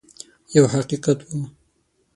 یو حقیقت وو.